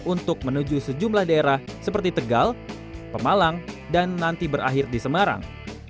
untuk menuju sejumlah daerah seperti tegal pemalang dan nanti berakhir di semarang